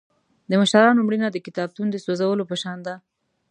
د مشرانو مړینه د کتابتون د سوځولو په شان ده.